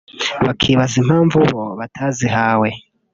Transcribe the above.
bakibaza impamvu bo batazihawe